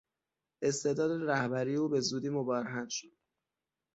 استعداد رهبری او به زودی مبرهن شد.